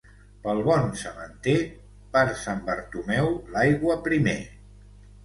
Pel bon sementer, per Sant Bartomeu l'aigua primer.